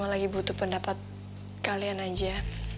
lagi butuh pendapat kalian aja